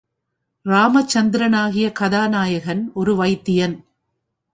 ராமச்சந்திரனாகிய கதாநாயகன் ஒரு வைத்தியன்.